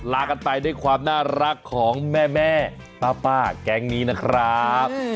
ลากันไปด้วยความน่ารักของแม่ป้าแก๊งนี้นะครับ